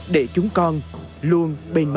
để chúng con luôn bên mẹ